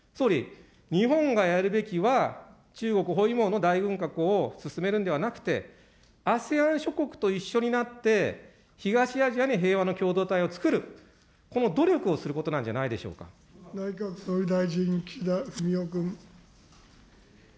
総理、日本がやるべきは、中国包囲網の大軍拡を進めるんではなくて、ＡＳＥＡＮ諸国と一緒になって、東アジアに平和の共同体を作る、この努力をすることなんじゃ内閣総理大臣、岸田文雄君。